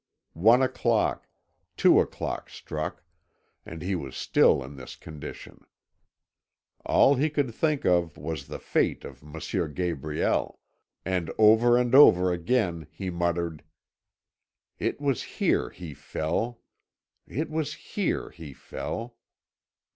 One o'clock, two o'clock struck, and he was still in this condition. All he could think of was the fate of M. Gabriel, and over and over again he muttered: "It was here he fell it was here he fell!"